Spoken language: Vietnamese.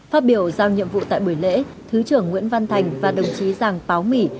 phát biểu giao nhiệm vụ tại buổi lễ thứ trưởng nguyễn văn thành và đồng chí giảng páo mỹ